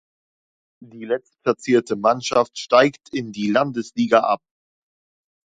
Die letztplatzierte Mannschaft steigt in die Landesliga ab.